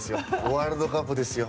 ワールドカップですよ。